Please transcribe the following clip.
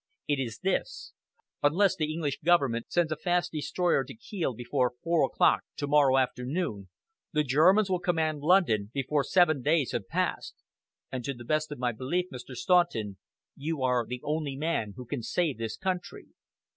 It is this: unless the English government sends a fast destroyer to Kiel before four o'clock to morrow afternoon, the Germans will command London before seven days have passed. And to the best of my belief, Mr. Staunton, you are the only man who can save this country."